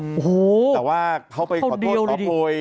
โอ้โฮคนเดียวเลยดิแต่ว่าเขาไปขอโทษขอปล่อย